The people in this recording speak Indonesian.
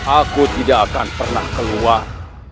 aku tidak akan pernah keluar